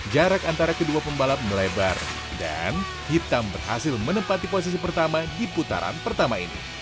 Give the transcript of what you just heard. jarak antara kedua pembalap melebar dan hitam berhasil menempati posisi pertama di putaran pertama ini